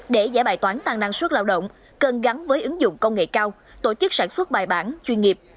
để giải bài toán tăng năng suất lao động cần gắn với ứng dụng công nghệ cao tổ chức sản xuất bài bản chuyên nghiệp